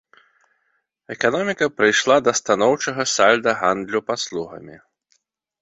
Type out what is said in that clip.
Эканоміка прыйшла да станоўчага сальда гандлю паслугамі.